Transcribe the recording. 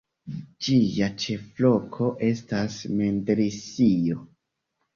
Ĝia ĉefloko estas Mendrisio.